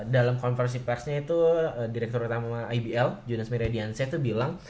dalam konversi persnya itu direktur utama ibl jonas mirrediansyah itu bilang